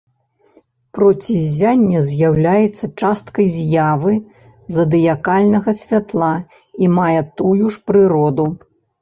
Проціззянне з'яўляецца часткай з'явы задыякальнага святла і мае тую ж прыроду.